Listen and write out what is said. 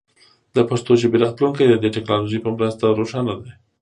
د پښتو ژبې راتلونکی د دې ټکنالوژۍ په مرسته روښانه دی.